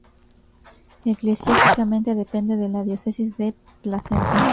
Eclesiásticamente depende de la diócesis de Plasencia.